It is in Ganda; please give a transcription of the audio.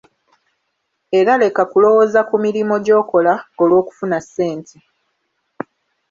Era leka kulowooza ku mirimo gy'okola olw'okufuna ssente.